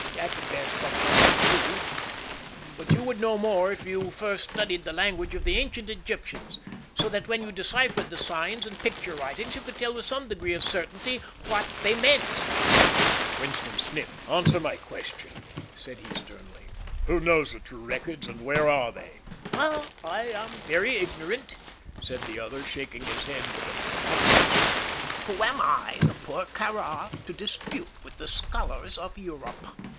"At the best, but one or two. But you would know more if you first studied the language of the ancient Egyptians, so that when you deciphered the signs and picture writings you could tell with some degree of certainty what they meant." Winston sniffed. "Answer my question!" said he, sternly. "Who knows the true records, and where are they?" "Ah, I am very ignorant," said the other, shaking his head with an humble expression. "Who am I, the poor Kāra, to dispute with the scholars of Europe?"